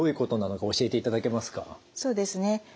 そうですね。